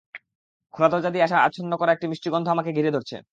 খোলা দরজা দিয়ে আসা আচ্ছন্ন করা একটা মিষ্টি গন্ধ আমাকে ঘিরে ধরেছে।